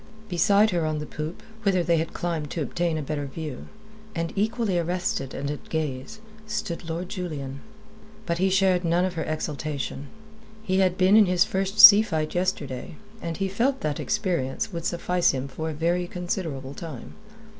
Beside her on the poop, whither they had climbed to obtain a better view, and equally arrested and at gaze, stood Lord Julian. But he shared none of her exultation. He had been in his first sea fight yesterday, and he felt that the experience would suffice him for a very considerable time.